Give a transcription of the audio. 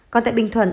còn tại bình thuận